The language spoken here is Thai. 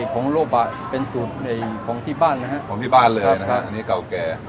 ของรูปอ่ะเป็นสูตรของที่บ้านนะฮะของที่บ้านเลยนะฮะอันนี้เก่าแก่